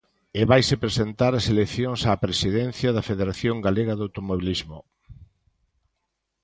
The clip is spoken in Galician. E vaise presentar ás eleccións á presidencia da Federación Galega de Automobilismo.